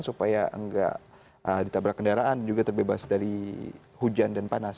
supaya nggak ditabrak kendaraan juga terbebas dari hujan dan panas